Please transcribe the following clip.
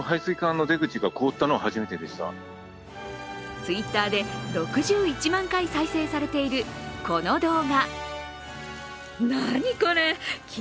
Ｔｗｉｔｔｅｒで６１万回再生されているこの動画。